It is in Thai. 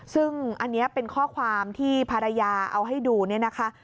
ซึ่งอันนี้เป็นข้อความที่ภรรยาเอาให้ดูเนี่ยนะคะ